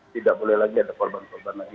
tidak boleh lagi ada korban korban lagi